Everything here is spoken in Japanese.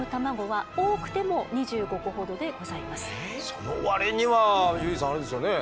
その割にはユージさんあれですよね？